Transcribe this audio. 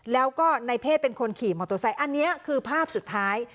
แล้วก็ในเพศเป็นคนขี่มอเตอร์ไซค์อันนี้คือภาพสุดท้าย